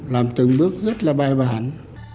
làm từng bước rất là bài bản